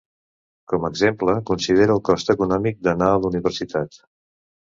Com a exemple, considera el cost econòmic d"anar a la universitat.